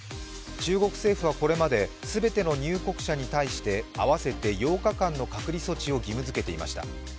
中国政府はこれまで全ての入国者に対して合わせて８日間の隔離措置を義務づけていました。